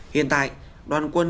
hiện tại đoàn quân